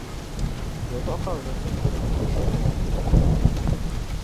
Bozuɣu ka bɛ bi siɣisi suura shεli na polo?